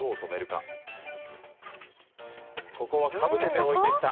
ここはかぶせて置いてきた。